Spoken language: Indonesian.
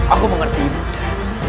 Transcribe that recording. aku mengerti ibu ndaku